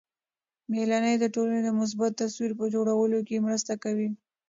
مېلې د ټولني د مثبت تصویر په جوړولو کښي مرسته کوي.